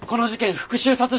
復讐殺人？